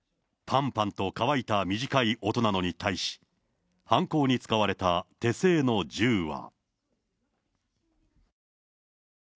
ぱんぱんと渇いた短い音なのに対し、犯行に使われた手製の銃は。